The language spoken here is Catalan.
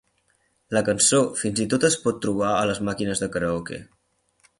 La cançó fins i tot es pot trobar a les màquines de karaoke.